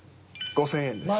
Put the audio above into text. ５、０００円です。